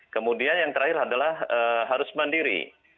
kemudian yang terakhir adalah harus mandiri